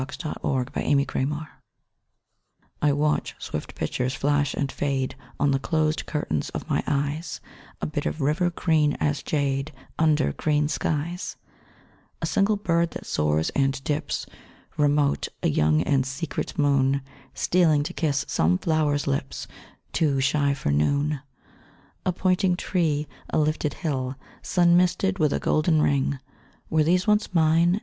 I Watch Swift Pictures I WATCH swift pictures flash and fade On the closed curtains of my eyes, A bit of river green as jade Under green skies; A single bird that soars and dips Remote; a young and secret moon Stealing to kiss some flower's lips Too shy for noon; A pointing tree; a lifted hill, Sun misted with a golden ring, Were these once mine?